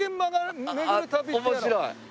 面白い！